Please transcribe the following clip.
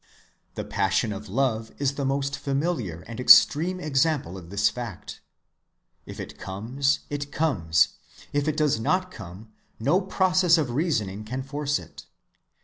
The passion of love is the most familiar and extreme example of this fact. If it comes, it comes; if it does not come, no process of reasoning can force it.